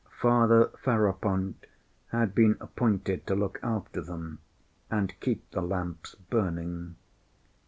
Father Ferapont had been appointed to look after them and keep the lamps burning.